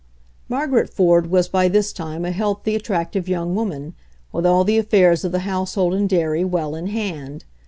Margaret Ford was by this time a healthy, at tractive young woman, with all the affairs of the household and dairy well in hand.